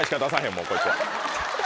もうこいつは。